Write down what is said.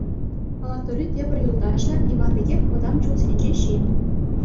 Палатӑри тепӗр юлташӗ — Иван пекех вӑтам ҫулсенчи ҫын.